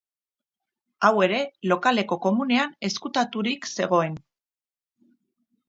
Hau ere, lokaleko komunean ezkutaturik zegoen.